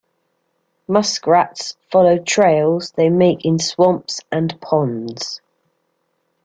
Muskrats follow trails they make in swamps and ponds.